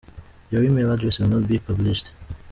Your email address will not be published.